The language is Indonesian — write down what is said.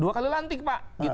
dua kali lantik pak